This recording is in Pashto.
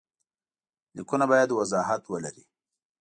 لیکونه باید وضاحت ولري.